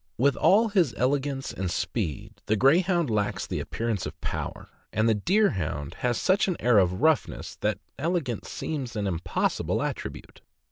With all his elegance and speed, the Greyhound lacks the appearance of power; and the Deerhound has such an air of joughness that elegance seems an impossible attribute.